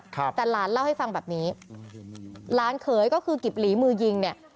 ครับแต่หลานเล่าให้ฟังแบบนี้หลานเขยก็คือกิบหลีมือยิงเนี่ย